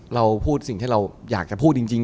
เราพูดสิ่งที่เราอยากจะพูดจริง